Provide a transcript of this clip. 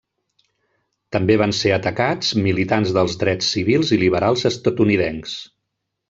També van ser atacats militants dels drets civils i liberals estatunidencs.